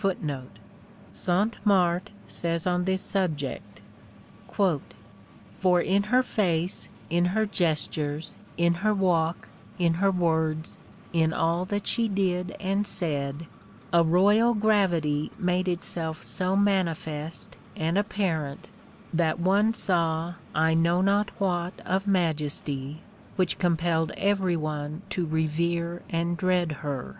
(1) 1 Sainte Marthe says on this subject: "For in her face, in her gestures, in her walk, in her words, in all that she did and said, a royal gravity made itself so manifest and apparent, that one saw I know not what of majesty which compelled every one to revere and dread her.